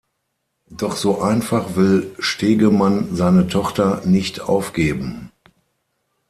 Doch so einfach will Stegemann seine Tochter nicht aufgeben.